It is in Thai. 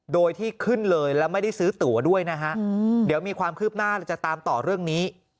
เดี๋ยวมีความคืบหน้าและจะตามต่อเรื่องนี้